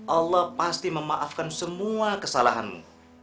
allah pasti memaafkan semua kesalahanmu